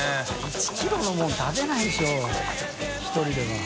１ｋｇのもの食べないでしょ１人では。